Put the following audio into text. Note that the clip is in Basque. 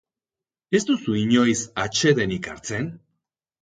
Ez duzu inoiz atsedenik hartzen?